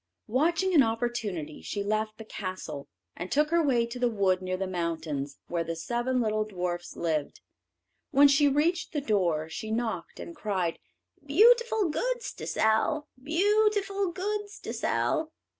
Watching an opportunity, she left the castle, and took her way to the wood near the mountains, where the seven little dwarfs lived. When she reached the door, she knocked, and cried, "Beautiful goods to sell; beautiful goods to sell."